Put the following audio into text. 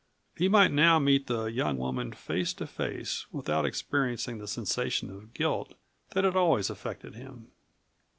He might now meet the young woman face to face, without experiencing the sensation of guilt that had always affected him.